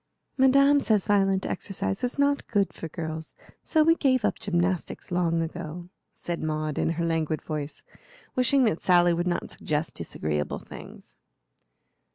"Madame says violent exercise is not good for girls, so we gave up gymnastics long ago," said Maud, in her languid voice, wishing that Sally would not suggest disagreeable things.